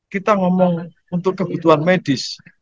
kita ngomong untuk kebutuhan medis